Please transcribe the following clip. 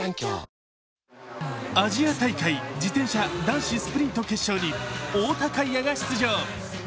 アジア大会自転車男子スプリント決勝に太田海也が出場。